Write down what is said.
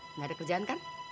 enggak ada kerjaan kan